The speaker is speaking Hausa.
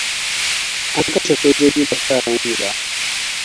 An kashe sojoji da fararen hula.